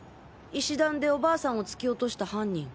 石段でお婆さんを突き落とした犯人。